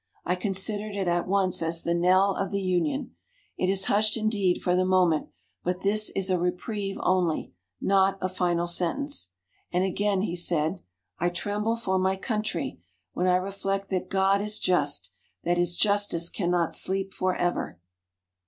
I considered it at once as the knell of the Union. It is hushed, indeed, for the moment. But this is a reprieve only not a final sentence." And again he said: "I tremble for my Country, when I reflect that God is just; that His justice cannot sleep for ever."